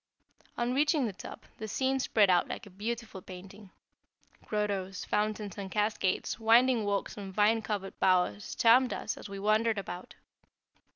On reaching the top, the scene spread out like a beautiful painting. Grottos, fountains, and cascades, winding walks and vine covered bowers charmed us as we wandered about.